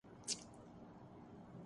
اس نے منہ توڑ جواب دیا۔